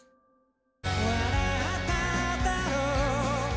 「笑っただろう」